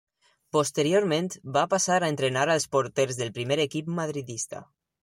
Posteriorment, va passar a entrenar als porters del primer equip madridista.